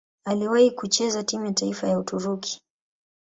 Aliwahi kucheza timu ya taifa ya Uturuki.